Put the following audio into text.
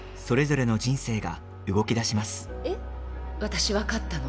私、分かったの。